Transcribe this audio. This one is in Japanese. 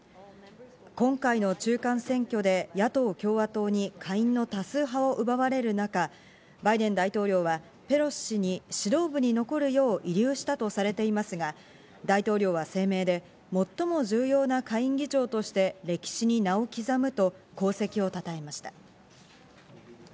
今回の中間選挙で野党・共和党に下院の多数派を奪われる中、バイデン大統領はペロシ氏に指導部に残るよう慰留したとされていますが、大統領は声明で、最も重要な下院議長として歴史に名を刻むと、功績を称えました。